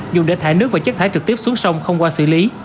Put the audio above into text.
dùng để thải nước và chất thải trực tiếp xuống sông không qua xử lý